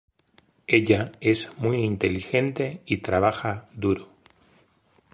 Ella es muy inteligente y trabaja duro.